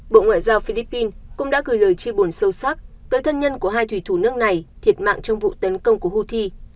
bộ ngoại giao philippines cũng đã gửi lời chia buồn sâu sắc tới thân nhân của hai thủy thủ nước này thiệt mạng trong vụ tấn công của houthi